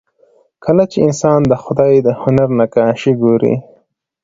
کله چې انسان د خدای د هنر نقاشي ګوري